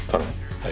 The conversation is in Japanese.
はい。